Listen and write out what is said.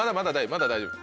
まだ大丈夫。